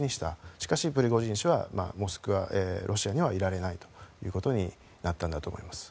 しかし、プリゴジン氏はモスクワ、ロシアにはいられないということになったんだと思います。